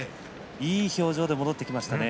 いい表情で戻ってきました。